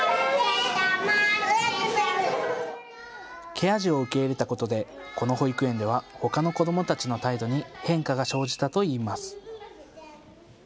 ケア児を受け入れたことでこの保育園ではほかの子どもたちの態度に変化が生じたといいます。